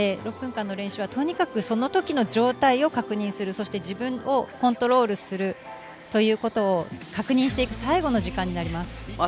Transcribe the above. ６分間の練習はとにかくその時の状態を確認する、自分をコントロールするということを確認していく最後の時間になります。